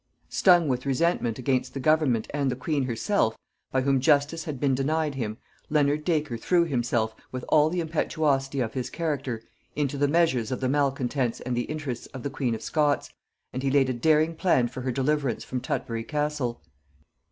Stung with resentment against the government and the queen herself, by whom justice had been denied him, Leonard Dacre threw himself, with all the impetuosity of his character, into the measures of the malcontents and the interests of the queen of Scots, and he laid a daring plan for her deliverance from Tutbury castle.